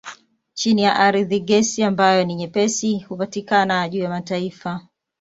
Chini ya ardhi gesi ambayo ni nyepesi hupatikana juu ya mafuta.